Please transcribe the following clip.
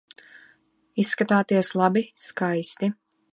Izskatāties labi, skaisti.